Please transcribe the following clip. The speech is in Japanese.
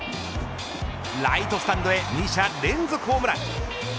ライトスタンドへ２者連続ホームラン。